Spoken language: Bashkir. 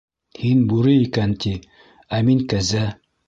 Һин бүре икән ти, ә мин кәзә.